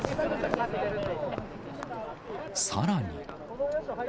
さらに。